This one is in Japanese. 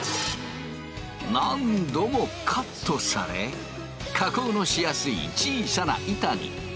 何度もカットされ加工のしやすい小さな板に。